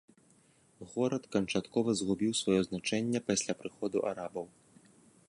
Горад канчаткова згубіў сваё значэнне пасля прыходу арабаў.